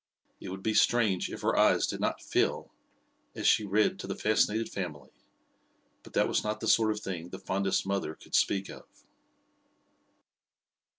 It would be strange if her eyes did not fill, as she read to her fascinated family, but that was not the sort of thing the fondest mother could speak of.